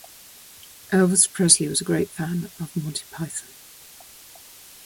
Elvis Presley was a great fan of Monty Python.